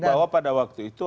bahwa pada waktu itu